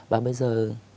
và bây giờ